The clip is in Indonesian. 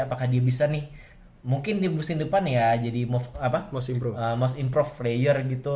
apakah dia bisa nih mungkin di musim depan ya jadi most improve player gitu